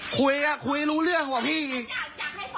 คุยแต่คุยรู้เรื่องกับพี่อีก